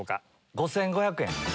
５５００円。